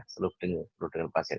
selalu penuh dengan pasien